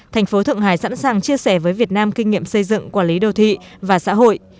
thành phố thượng hải sẵn sàng chia sẻ với việt nam kinh nghiệm xây dựng quản lý đô thị và xã hội